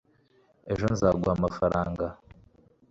ejo nzaguha amafaranga